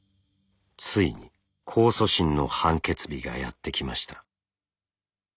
ついに控訴審の判決日がやって来ました。